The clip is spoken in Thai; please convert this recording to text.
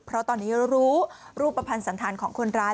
เพราะตอนนี้รู้รูปภัณฑ์สันธารของคนร้าย